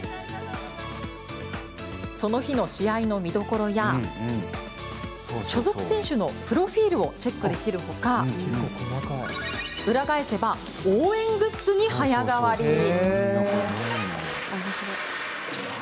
その日の試合の見どころや所属選手のプロフィールをチェックできるほか裏返せば応援グッズに早変わり。